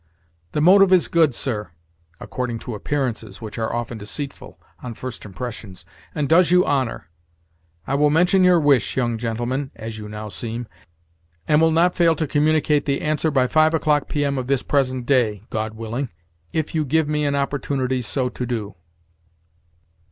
"The motive is good, sir (according to appearances which are often deceitful] on first impressions), and does you honor. I will mention your wish, young gentleman (as you now seem), and will not fail to communicate the answer by five o'clock P.M. of this present day (God willing), if you give me an opportunity so to do."